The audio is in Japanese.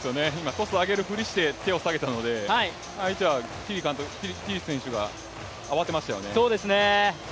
トス上げるふりして手を下げたので相手はティリ選手が慌てましたよね。